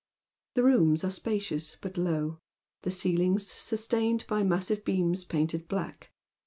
The rooms are spacious, but low ; the ceilings sustained by massive beams painted black.